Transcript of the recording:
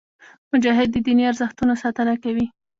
مجاهد د دیني ارزښتونو ساتنه کوي.